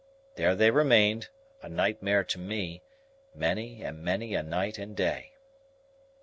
There they remained, a nightmare to me, many and many a night and day.